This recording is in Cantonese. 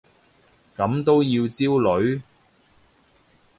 咁都要焦慮？